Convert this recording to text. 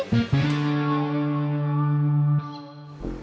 kamar kalian sama buat mami